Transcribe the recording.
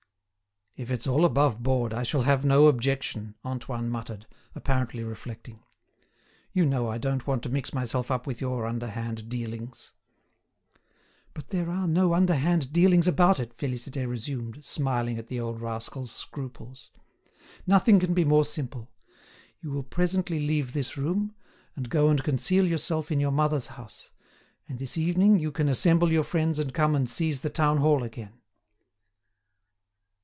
"If it's all above board I shall have no objection," Antoine muttered, apparently reflecting. "You know I don't want to mix myself up with your underhand dealings." "But there are no underhand dealings about it," Félicité resumed, smiling at the old rascal's scruples. "Nothing can be more simple: you will presently leave this room, and go and conceal yourself in your mother's house, and this evening you can assemble your friends and come and seize the town hall again."